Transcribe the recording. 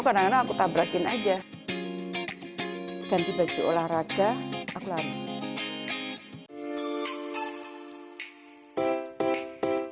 aku karena aku tabrakin aja ganti baju olahraga aku lalu